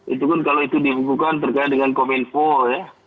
itu pun kalau itu dibekukan terkait dengan kominfo ya